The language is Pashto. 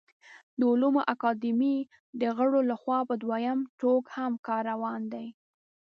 د علومو اکاډمۍ د غړو له خوا په دویم ټوک هم کار روان دی